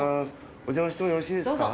おじゃましてもよろしいですか？